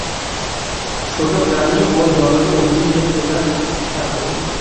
ছোট প্রাণী ও জলজ উদ্ভিদ এর প্রধান খাদ্য।